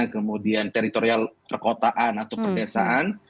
kemudian teritorial perkotaan atau perdesaan